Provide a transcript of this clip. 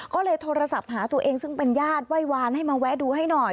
ก็เลยโทรศัพท์หาตัวเองซึ่งเป็นญาติไหว้วานให้มาแวะดูให้หน่อย